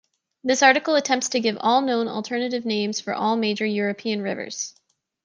This article attempts to give all known alternative names for all major European rivers.